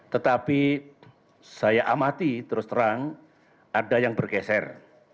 tetapi saya amati terus terang ada yang bergeser